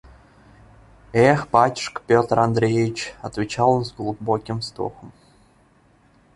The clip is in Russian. – Эх, батюшка Петр Андреич! – отвечал он с глубоким вздохом.